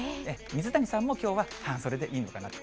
水谷さんもきょうは半袖でいいのかなと。